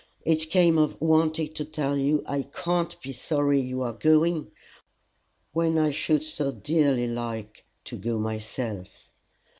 It came of wanting to tell you I can't be sorry you are going when I should so dearly like to go myself."